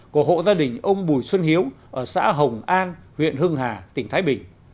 của hộ gia đình ông bùi xuân hiếu ở xã hồng an huyện hưng hà tỉnh thái bình